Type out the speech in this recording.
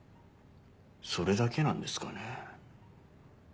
それだけなんですかね？